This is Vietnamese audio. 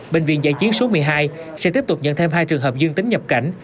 bệnh viện giã chiến số một mươi hai sẽ tiếp tục nhận thêm hai trường hợp dương tính nhập cảnh